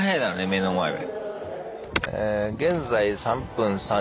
目の前で。